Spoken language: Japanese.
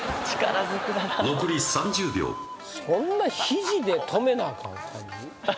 残り３０秒そんな肘で留めなあかん感じ？